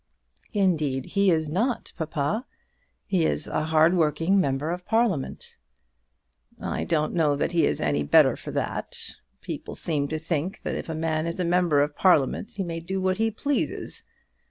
"Indeed he is not, papa. He is a hard working member of Parliament." "I don't know that he is any better for that. People seem to think that if a man is a member of Parliament he may do what he pleases.